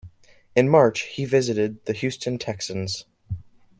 In March, he visited the Houston Texans.